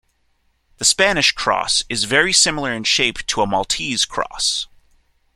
The Spanish Cross is very similar in shape to a Maltese cross.